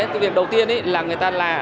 cái việc đầu tiên ấy là người ta là